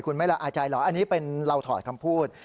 คุณไม่ละอาใจเหรออันนี้เป็นเราถอดคำพูด